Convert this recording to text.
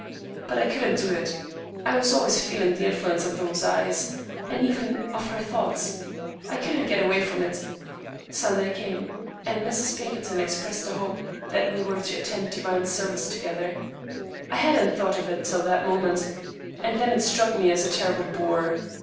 But I couldn't do it. I was always feeling the influence of those eyes, and even of her thoughts. I couldn't get away from it. Sunday came, and Mrs. Pinkerton expressed the hope that we were to attend divine service together. I hadn't thought of it till that moment, and then it struck me as a terrible bore.